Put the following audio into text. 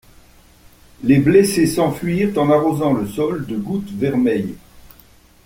Les blessés s'enfuirent en arrosant le sol de gouttes vermeilles.